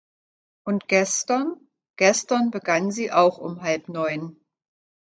Und gestern?- Gestern begann sie auch um halb neun.